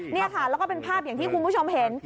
นี่ค่ะแล้วก็เป็นภาพอย่างที่คุณผู้ชมเห็น